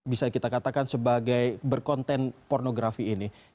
bisa kita katakan sebagai berkonten pornografi ini